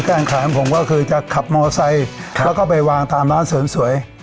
แก้งแขงผมก็คือจะขับมอเซแล้วก็ไปวางตามร้านเสวย